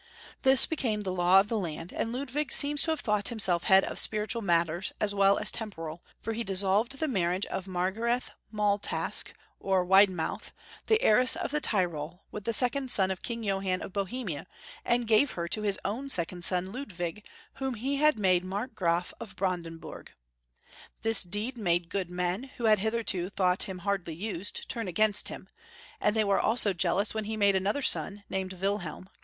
This became the law of the land, and Ludwig seems to have thought himself head of spiritual matters as well as temporal, for he dissolved the Ludwig Y. 215 tnarriage of Maigarethe Maultasch, or Wide mouth, the heiress of the Tirol, with the second son of King Johann of Bohemia, and gave her to his own second son, Ludwig, whom he had made Markgraf of Brandenburg. This deed made good men, who had hitherto thought him hardly used, turn against him, and they were also jealous when he made another Bon, named Wil helm.